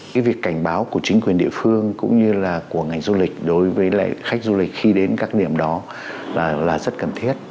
cái việc cảnh báo của chính quyền địa phương cũng như là của ngành du lịch đối với khách du lịch khi đến các điểm đó là rất cần thiết